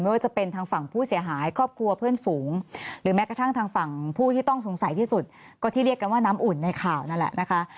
ว่าจะเป็นทางฝั่งผู้เสียหายครอบครัวเพื่อนฝูงหรือแม้กระทั่งทางฝั่งผู้ที่ต้องสงสัยที่สุดก็ที่เรียกกันว่าน้ำอุ่นในข่าวนั่นแหละนะคะ